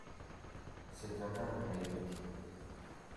Se trata del Rey Mickey.